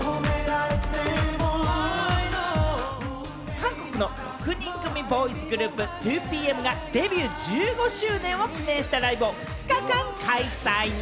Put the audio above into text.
韓国の６人組ボーイズグループ・２ＰＭがデビュー１５周年を記念したライブを２日間開催。